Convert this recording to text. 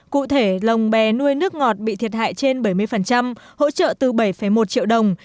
cụ thể lồng bè nuôi nước ngọt bị thiệt hại trên bảy mươi hỗ trợ từ bảy một triệu đồng